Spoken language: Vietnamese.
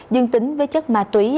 dương tính với chất ma túy